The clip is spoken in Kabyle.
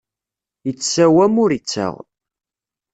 Ittsawam, ur ittaɣ.